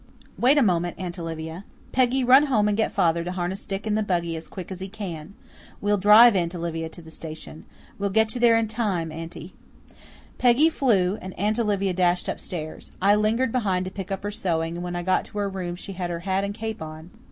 "Wait a moment, Aunt Olivia. Peggy, run home and get father to harness Dick in the buggy as quickly as he can. We'll drive Aunt Olivia to the station. We'll get you there in time, Aunty." Peggy flew, and Aunt Olivia dashed upstairs. I lingered behind to pick up her sewing, and when I got to her room she had her hat and cape on.